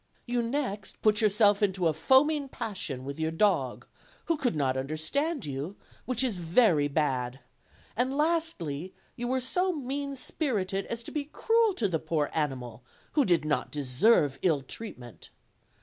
You next put yourself in a foam ing passion with your dog, who could not understand you, which is very bad; and lastly, you were so mean spirited as to be cruel to the poor animal, who did not deserve ill treatment.